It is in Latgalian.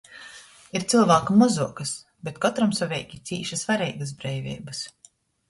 Ir cylvākim mozuokys, bet kotramsoveigi cīši svareigys breiveibys.